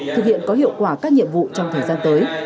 thực hiện có hiệu quả các nhiệm vụ trong thời gian tới